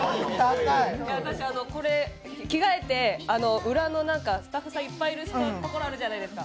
私、着替えて裏のスタッフさんいっぱいいるところあるじゃないですか。